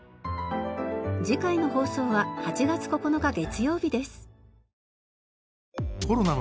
次回の放送は８月９日月曜日です。